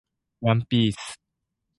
ワンピース